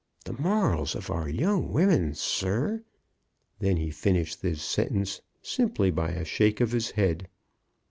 The morals of our young women, sir " And then he finished his sentence simply by a shake of his head.